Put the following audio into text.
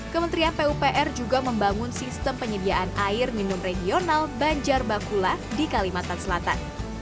kementerian pupr juga membangun sistem penyediaan air minum regional banjar bakula di kalimantan selatan